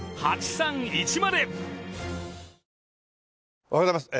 おはようございます。